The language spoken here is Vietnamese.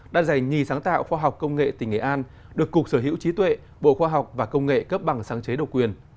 đã giành nhì sáng tạo khoa học công nghệ tỉnh nghệ an được cục sở hữu trí tuệ bộ khoa học và công nghệ cấp bằng sáng chế độc quyền